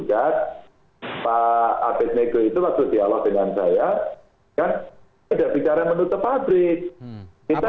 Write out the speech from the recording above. tapi pabrik itu bahkan ter cia fark pacarnya masih perlu berada di puntus itu